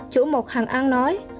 chủ một hàng ăn nói